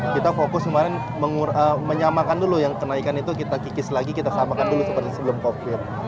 kita fokus kemarin menyamakan dulu yang kenaikan itu kita kikis lagi kita samakan dulu seperti sebelum covid